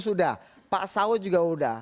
sudah pak sawo juga sudah